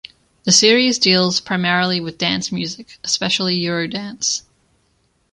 The series deals primarily with dance music, especially Eurodance.